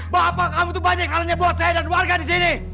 bapak kamu banyak salahnya buat saya dan warga disini